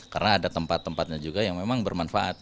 karena ada tempat tempatnya juga yang memang bermanfaat